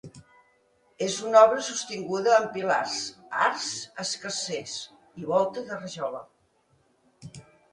És una obra sostinguda amb pilars, arcs escarsers i volta de rajola.